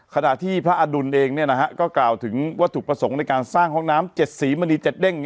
ขณะที่พระอดุลเองเนี่ยนะฮะก็กล่าวถึงว่าถูกประสงค์ในการสร้างห้องน้ำเจ็ดสีมะนีเจ็ดเด้ง